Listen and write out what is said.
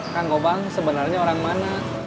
kang gobang sebenarnya orang mana